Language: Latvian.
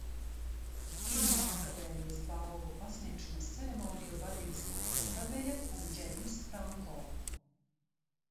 Kinoakadēmijas balvu pasniegšanas ceremoniju vadīs Hetaveja un Džeimss Franko.